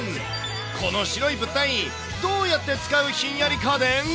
この白い物体、どうやって使うひんやり家電？